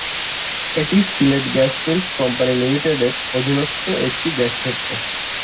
এটি Sylhet gas fields company লিমিটেড-এর অধীনস্থ একটি গ্যাসক্ষেত্র।